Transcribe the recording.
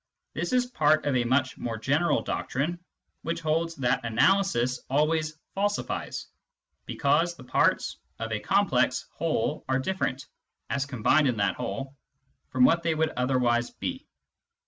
This is part of a much more general doctrine, which holds that analysis always falsifies, because the parts of a complex whole are different, as combined in that whole, from what they would otherwise be.